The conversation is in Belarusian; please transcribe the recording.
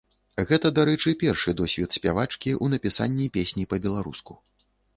Гэта, дарэчы, першы досвед спявачкі ў напісанні песні па-беларуску.